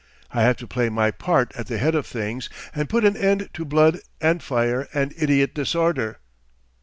I have to play my part at the head of things and put an end to blood and fire and idiot disorder.